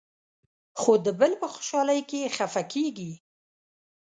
خو د بل په خوشالۍ کې خفه کېږي.